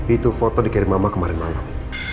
itu foto dikirim mama kemarin malam